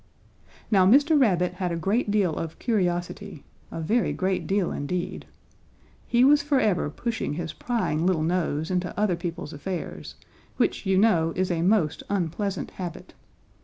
"Now Mr. Rabbit had a great deal of curiosity, a very great deal, indeed. He was forever pushing his prying little nose into other people's affairs, which, you know, is a most unpleasant habit.